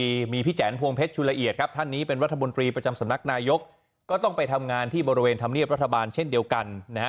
วันนี้มีพี่แจนพวงเพชรชุลละเอียดครับท่านนี้เป็นรัฐมนตรีประจำสำนักนายกก็ต้องไปทำงานที่บริเวณธรรมเนียบรัฐบาลเช่นเดียวกันนะฮะ